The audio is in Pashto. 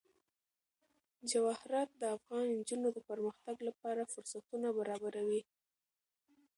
جواهرات د افغان نجونو د پرمختګ لپاره فرصتونه برابروي.